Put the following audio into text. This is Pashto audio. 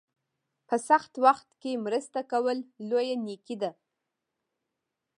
په سخت وخت کې مرسته کول لویه نیکي ده.